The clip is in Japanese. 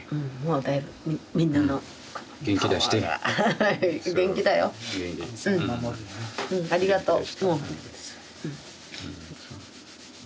うんありがとう。